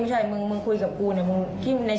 ในแชทมึงรู้ไม่ได้ว่ามึงคุยกับใคร